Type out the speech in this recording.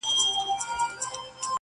څڼي سرې شونډي تكي تـوري سترگي.